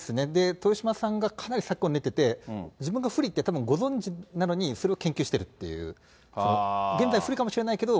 豊島さんがかなり策を練ってて、自分が不利ってたぶんご存じなのに、それを研究しているという、現在、不利かもしれないけど